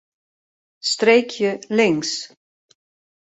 Streekje links.